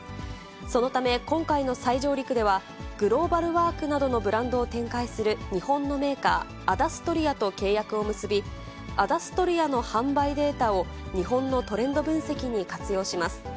そのため、今回の再上陸では、ＧＬＯＢＡＬＷＯＲＫなどのブランドを展開する日本のメーカー、アダストリアと契約を結び、アダストリアの販売データを日本のトレンド分析に活用します。